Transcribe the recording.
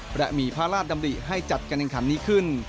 และมีพระราชดำริให้จัดการแข่งขันนี้ขึ้น